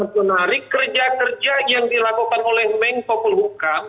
sangat menarik kerja kerja yang dilakukan oleh meng popul hukum